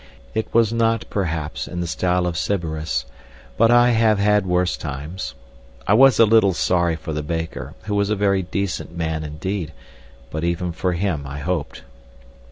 It was not, perhaps, in the style of Sybaris, but I have had worse times. I was a little sorry for the baker, who was a very decent man indeed, but even for him I hoped.